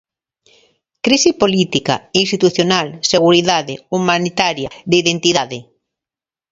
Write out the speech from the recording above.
Crise política, institucional, seguridade, humanitaria, de identidade.